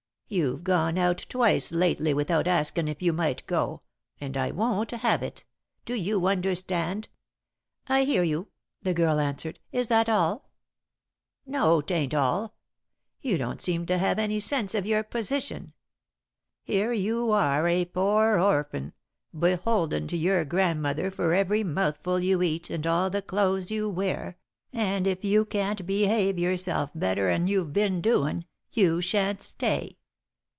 You've gone out twice lately without askin' if you might go, and I won't have it. Do you understand?" "I hear you," the girl answered. "Is that all?" "No, 'tain't all. You don't seem to have any sense of your position. Here you are a poor orphan, beholden to your grandmother for every mouthful you eat and all the clothes you wear, and if you can't behave yourself better 'n you've been doin', you shan't stay."